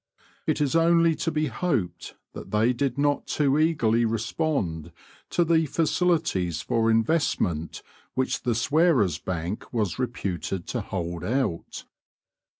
It is only to be hoped that they did not too eagerly respond to the facilities for investment which the Swearers' Bank was reputed to hold out.